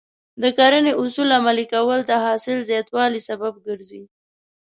د کرنې اصول عملي کول د حاصل زیاتوالي سبب کېږي.